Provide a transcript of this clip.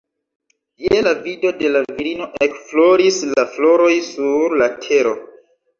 Je la vido de la virino ekfloris la floroj sur la tero